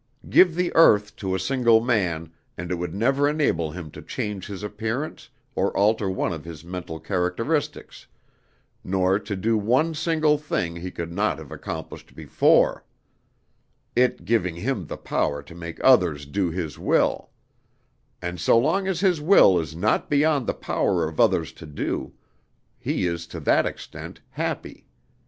Give the earth to a single man, and it would never enable him to change his appearance or alter one of his mental characteristics, nor to do one single thing he could not have accomplished before it giving him the power to make others do his will; and so long as his will is not beyond the power of others to do, he is to that extent happy.